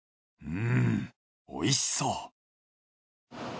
うんおいしそう。